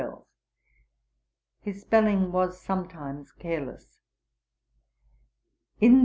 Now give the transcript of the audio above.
His spelling was sometimes careless, ante, i.